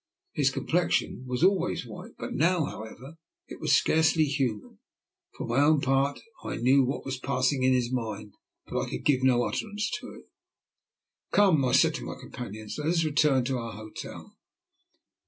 His complexion was always white, now, however, it was scarcely human. For my own part I knew what was passing in his mind, but I could give no utterance to it. "Come," I said to my companions, "let us return to our hotel."